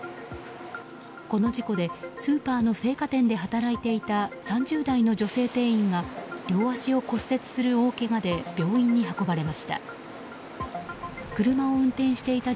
この事故でスーパーの生花店で働いていた３０代の女性店員が両足を骨折する大けがで病院に運ばれました。